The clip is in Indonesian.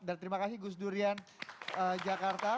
dan terima kasih gus durian jakarta